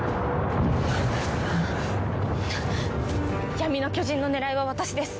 闇の巨人の狙いは私です！